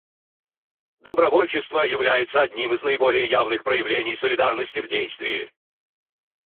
Добровольчество является одним из наиболее явных проявлений солидарности в действии.